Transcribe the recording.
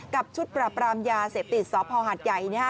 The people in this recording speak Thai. กับชุดประปรามยาเสพติศสภหัดใหญ่